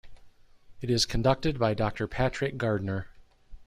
It is conducted by Doctor Patrick Gardner.